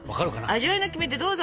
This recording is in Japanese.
味わいのキメテどうぞ！